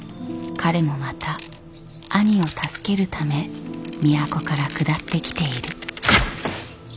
彼もまた兄を助けるため都から下ってきている。